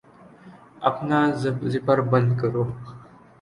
اپنا زپر بند کرو